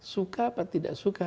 suka atau tidak suka